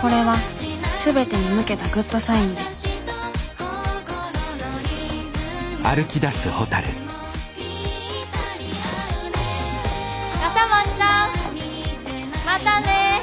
これは全てに向けたグッドサインで笠松さんまたね！